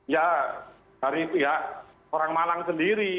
ya dari pihak orang malang sendiri